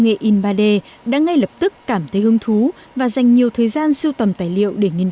nghệ in ba d đã ngay lập tức cảm thấy hứng thú và dành nhiều thời gian siêu tầm tài liệu để nghiên